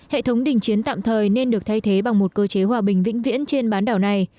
hệ thống đình chiến tạm thời nên được thay thế bằng một cơ chế hòa bình vĩnh viễn trên bán đảo này